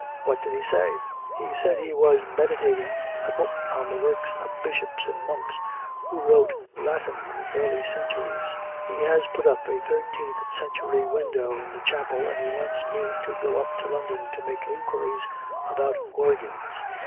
'What did he say?' 'He said he was meditating a book on the works of bishops and monks who wrote Latin in the early centuries. He has put up a thirteenth century window in the chapel, and he wants me to go up to London to make inquiries about organs.